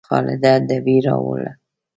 خالده ډبې راوړه